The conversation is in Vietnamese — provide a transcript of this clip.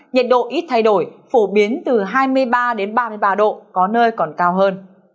nhiệt độ ít thay đổi phổ biến từ hai mươi ba đến ba mươi ba độ có nơi còn cao hơn